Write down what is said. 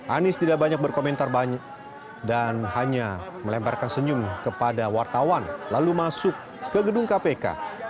anies tidak banyak berkomentar dan hanya melemparkan senyum kepada wartawan lalu masuk ke gedung kpk